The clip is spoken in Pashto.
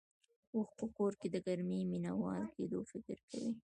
اوښ په کور کې د ګرمۍ مينه وال کېدو فکر کوي.